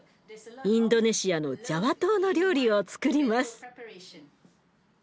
インドネシアのジャワ島の料理をつくります。